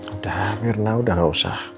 udah mirna udah gak usah